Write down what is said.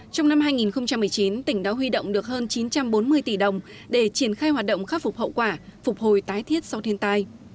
trong năm hai nghìn một mươi chín tỉnh đã huy động được hơn chín trăm bốn mươi tỷ đồng để triển khai hoạt động khắc phục hậu quả phục hồi tái thiết sau thiên tai